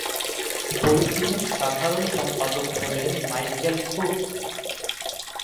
বইটির সাধারণ সম্পাদক হলেন মাইকেল কুক।